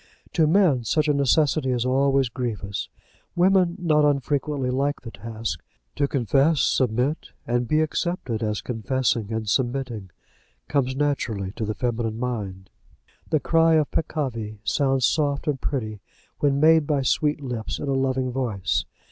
To men such a necessity is always grievous. Women not unfrequently like the task. To confess, submit, and be accepted as confessing and submitting, comes naturally to the feminine mind. The cry of peccavi sounds soft and pretty when made by sweet lips in a loving voice.